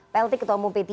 plt ketua umum p tiga